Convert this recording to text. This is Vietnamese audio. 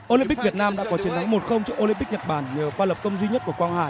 olympic việt nam đã có chiến thắng một trước olympic nhật bản nhờ pha lập công duy nhất của quang hải